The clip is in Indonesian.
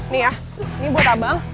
nih ya ini buat abang